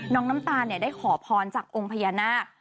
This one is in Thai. น้ำตาลได้ขอพรจากองค์พญานาค